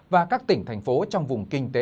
và các tỉnh thành phố trong vùng đất